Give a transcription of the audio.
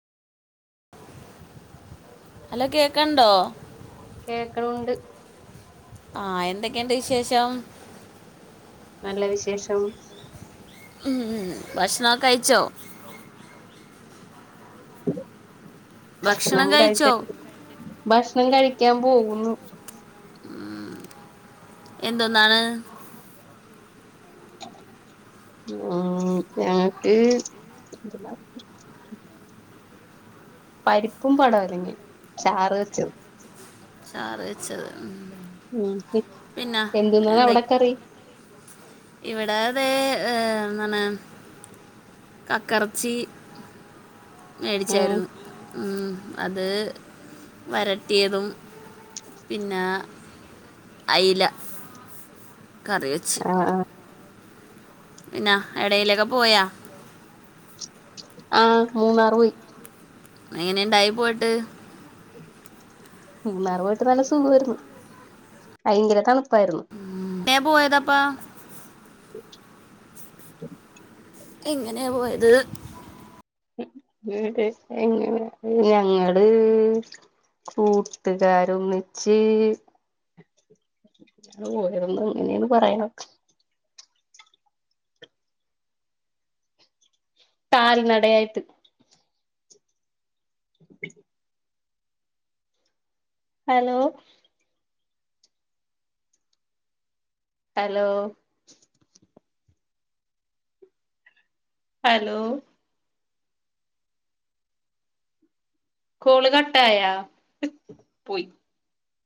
Hello കേക്കണ്ടോ കേക്കണ ഉണ്ട് ആഹ് എന്തൊക്കെയുണ്ട് വിശേഷം നല്ല വിശേഷം ഉം ഉം ഭക്ഷണൊക്കെ കഴിച്ചോ? ഭക്ഷണം കഴിക്ക [unintelligible] ഭക്ഷണം കഴിക്കാൻ പോകുന്നു. ഉം എന്തൊന്നാണ്? ഉം ഞങ്ങക്ക് പരിപ്പും പടവലങ്ങയും ചാറ് വെച്ചത് ചാറ് വച്ചത് ഉം [unintelligible] പിന്നെ എന്തിന്ന അവിടക്കറി? ഇവിട തേ എന്താണ് കക്കെറച്ചി ഉം മേടിച്ചായിരുന്നു ഉം അത് വരട്ടിയതും പിന്ന അയ്ല കറി വെച്ച് ആഹ് ആഹ് പിന്നാ ഏടേലൊക്കെ പോയാ? ആഹ് മൂന്നാറ് പോയി എങ്ങനെയിണ്ടായി പോയിട്ട്? മൂന്നാറ് പോയിട്ട് നല്ല സുഗായിരുന്നു ഭയങ്കര തണുപ്പായിരുന്നു. എവ്ടെയാപോയതപ്പാ? [inaudible] എങ്ങനെയാ പോയത്? [unintelligible] എങ്ങനെ ഞങ്ങള് കൂട്ടുകാരൊന്നിച്ച് ഓരോന്നു എങ്ങനെയന്ന് പറയണം കാൽ നട ആയിട്ട് [inaudible] ഹലോ ഹലോ ഹലോ കോള് കട്ടായ പോയി